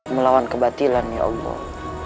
melawan kebatilan ya allah